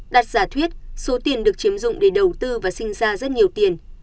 đặt giả thuyết số tiền được chiếm dụng để đầu tư và sinh ra rất nhiều tiền